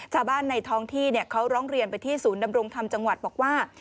ชาวบ้านในท้องที่เขาร้องเรียนไปที่ศูนย์ดำรงธรรมจังหวัดบอกว่า